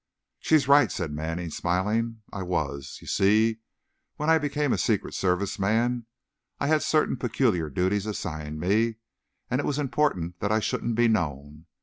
"She's right," said Manning, smiling; "I was. You see, when I became a Secret Service man, I had certain peculiar duties assigned me and it was important that I shouldn't be known.